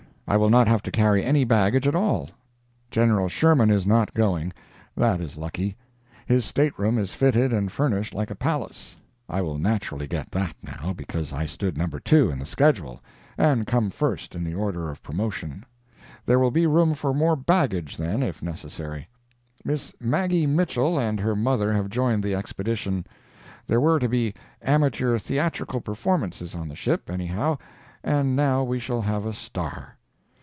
I will not have to carry any baggage at all. Gen. Sherman is not going. That is lucky. His state room is fitted and furnished like a palace. I will naturally get that, now, because I stood No. 2 in the schedule, and come first in the order of promotion. There will be room for more baggage, then, if necessary. Miss Maggie Mitchell and her mother have joined the expedition. There were to be amateur theatrical performances on the ship, anyhow, and now we shall have a star.